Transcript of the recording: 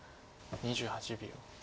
２８秒。